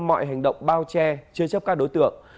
mọi hành động bao che chứa chấp các đối tượng